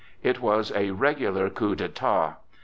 It was a regular coup d'état.